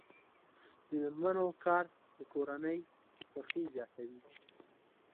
د میرمنو کار د کورنۍ خوښۍ زیاتوي.